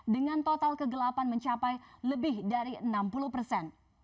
dengan total kegelapan mencapai lebih dari enam puluh persen